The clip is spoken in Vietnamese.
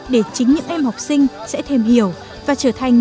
để chính những em học sinh sẽ thêm hiểu và trở thành những người tốt nhất